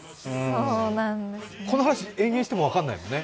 この話、延々しても分からないもんね。